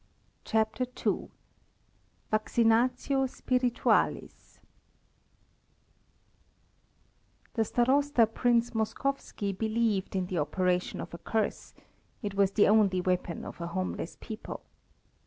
CHAPTER II VACCINATIO SPIRITUALIS The Starosta Prince Moskowski believed in the operation of a curse; it was the only weapon of a homeless people.